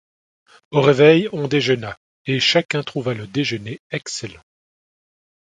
Au réveil, on déjeuna, et chacun trouva le déjeuner excellent.